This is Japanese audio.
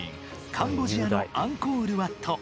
カンボジアのアンコールワット。